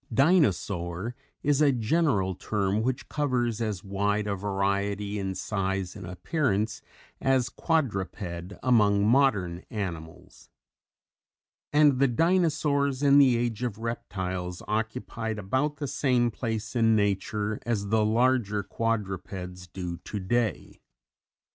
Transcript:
"Dinosaur" is a general term which covers as wide a variety in size and appearance as "Quadruped" among modern animals. And the Dinosaurs in the Age of Reptiles occupied about the same place in nature as the larger quadrupeds do today.